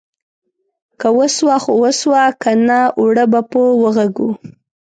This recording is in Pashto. که وسوه خو وسوه ، که نه اوړه به په واغږو.